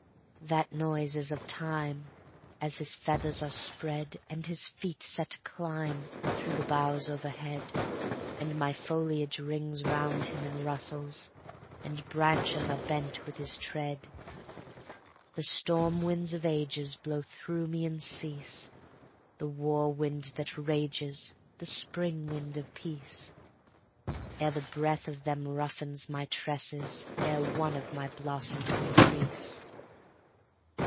That noise is of Time, As his feathers are spreadAnd his feet set to climbThrough the boughs overhead, And my foliage rings round him and rustles, and branches are bent with his tread. The storm winds of agesBlow through me and cease, The war wind that rages, The spring wind of peace, Ere the breath of them roughen my tresses, ere one of my blossoms increase.